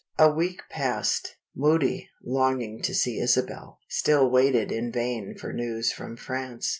A week passed. Moody (longing to see Isabel) still waited in vain for news from France.